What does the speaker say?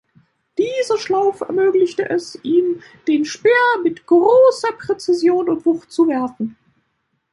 Die Schlaufe ermöglichte es ihm, den Speer mit großer Präzision und Wucht zu werfen.